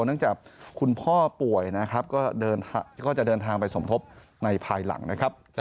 เนื่องจากคุณพ่อป่วยนะครับก็จะเดินทางไปสมทบในภายหลังนะครับ